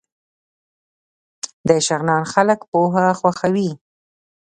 د شغنان خلک پوهه خوښوي